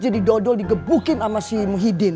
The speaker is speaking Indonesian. jadi dodol digebukin sama si muhyiddin